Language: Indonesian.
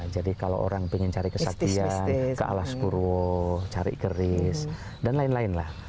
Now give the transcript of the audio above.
jadi kalau orang ingin cari kesatian ke alas purwo cari keris dan lain lain lah